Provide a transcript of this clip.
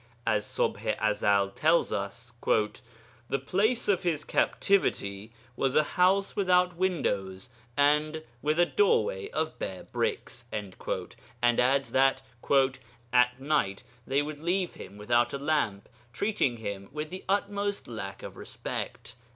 As Ṣubḥ i Ezel tells us, 'The place of his captivity was a house without windows and with a doorway of bare bricks,' and adds that 'at night they would leave him without a lamp, treating him with the utmost lack of respect.'